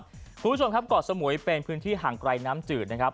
คุณผู้ชมครับเกาะสมุยเป็นพื้นที่ห่างไกลน้ำจืดนะครับ